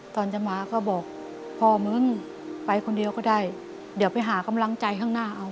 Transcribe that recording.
ตอนจะมาก็บอกพ่อมึงไปคนเดียวก็ได้เดี๋ยวไปหากำลังใจข้างหน้าเอา